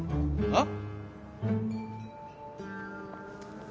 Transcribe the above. あっ。